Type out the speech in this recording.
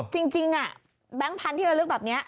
จริงจริงอ่ะแบงค์พันธุ์ที่ระลึกแบบเนี้ย